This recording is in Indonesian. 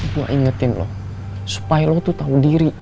gue ingetin lo supaya lo tuh tau diri